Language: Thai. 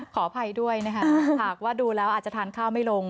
ขออภัยด้วยนะคะหากว่าดูแล้วอาจจะทานข้าวไม่ลง